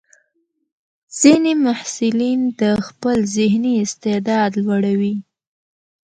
ځینې محصلین د خپل ذهني استعداد لوړوي.